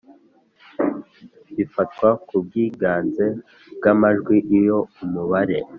bifatwa ku bwiganze bw amajwi Iyo umubare